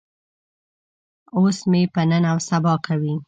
اوس مې په نن او سبا کوي.